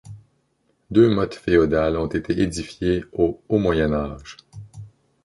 Deux mottes féodales ont été édifiées au haut Moyen Âge.